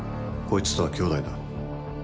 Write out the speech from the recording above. こいつとは兄弟だ。